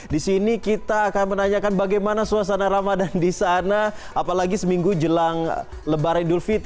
di sini kita akan menanyakan bagaimana suasana ramadan di sana apalagi seminggu jelang lebaran idul fitri